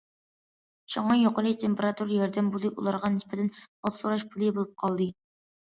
شۇڭا يۇقىرى تېمپېراتۇرا ياردەم پۇلى ئۇلارغا نىسبەتەن« ھال سوراش پۇلى» بولۇپ قالدى.